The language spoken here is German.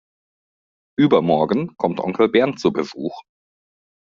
Übermorgen kommt Onkel Bernd zu Besuch.